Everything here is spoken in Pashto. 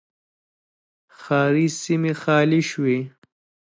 ښاري سیمې خالي شوې.